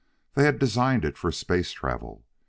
They had designed it for space travel.